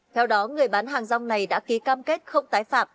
theo đó người bán hàng rong này đã ký cam kết